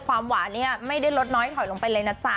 ความหวานเนี่ยไม่ได้ลดน้อยถอยลงไปเลยนะจ๊ะ